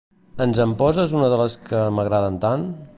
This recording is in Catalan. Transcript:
Ens en poses una de les que m'agraden tant?